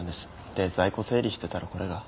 で在庫整理してたらこれが。